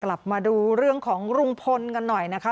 กลับมาดูเรื่องของลุงพลกันหน่อยนะคะ